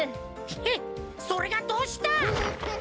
へっそれがどうした！